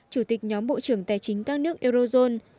chủ tịch nhóm bộ trưởng tài chính các nước eurozone